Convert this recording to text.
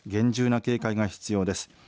厳重な警戒が必要です。